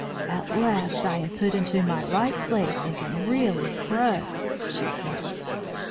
"At last I am put into my right place and can really grow," she said.